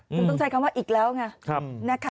คุณต้องใช้คำว่าอีกแล้วไงนะคะ